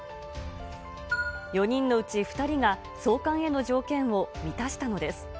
４人のうち２人が、送還への条件を満たしたのです。